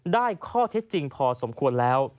ได้ข้อเท็จจริงพอสมควรแล้ว